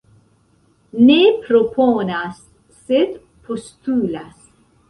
Ne proponas sed postulas.